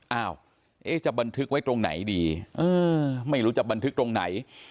เอ้าจะบันทึกไว้ตรงไหนดีไม่รู้จะบันทึกตรงไหน